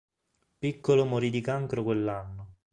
Piccolo morì di cancro quell'anno.